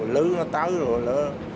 lứ nó tới rồi nữa